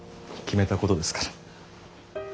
決めたことですから。